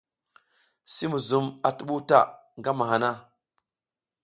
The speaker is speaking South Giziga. Si muzum a tuɓuw ta ngama han.